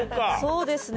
そうですね。